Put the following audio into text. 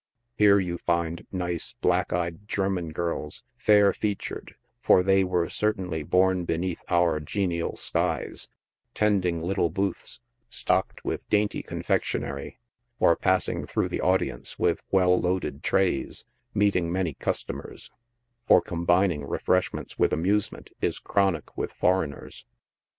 Here you find nice, black eyed German girls, fair featured, for they were certainly born beneath our genial skies, tending little booths stocked with dainty confectionery, or passing through the audience with well loaded trays, meeting many customers, for combining re freshments with amusement is chronic with foreigners.